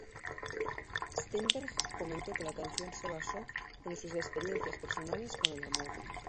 Steinberg comentó que la canción se basó en sus experiencias personales con el amor.